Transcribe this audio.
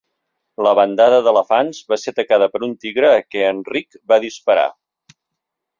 La bandada d'elefants va ser atacada per un tigre a què en Rik va disparar.